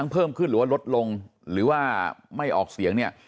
เพิ่มขึ้นหรือว่าลดลงหรือว่าไม่ออกเสียงเนี่ย